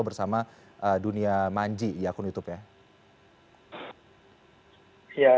bersama dunia manji di akun youtube ya